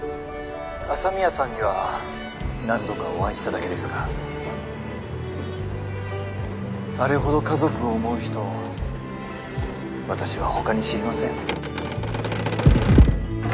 朝宮さんには何度かお会いしただけですがあれほど家族を思う人私は他に知りません